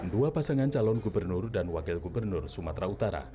dua pasangan calon gubernur dan wakil gubernur sumatera utara